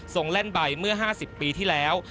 แล่นใบเมื่อ๕๐ปีที่แล้ว